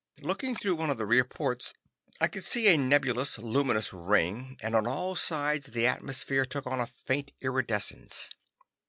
Looking through one of the rear ports, I could see a nebulous, luminous ring, and on all sides the atmosphere took on a faint iridescence.